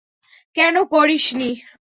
কেন করিস নি?